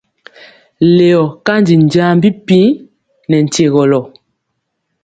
Leyɔ kanji njaŋ bipiiŋ nɛ nkyegɔlɔ.